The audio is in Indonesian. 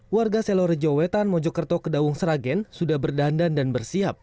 warga selore jowetan mojokerto kedaung seragen sudah berdandan dan bersihap